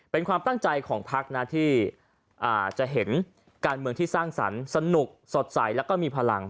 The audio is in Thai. เป็นความตั้งใจของพักนะที่จะเห็นการเมืองที่สร้างสรรค์สนุกสดใสแล้วก็มีพลัง